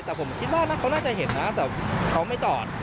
แต่ผมคิดว่าเขาน่าจะเห็นนะแต่เขาไม่จอด